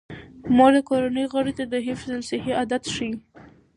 مور د کورنۍ غړو ته د حفظ الصحې عادات ښيي.